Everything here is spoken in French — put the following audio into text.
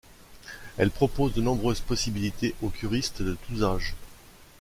Elle propose de nombreuses possibilités aux curistes de tous âges.